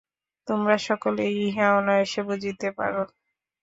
তোমরা সকলেই ইহা অনায়াসে বুঝিতে পার।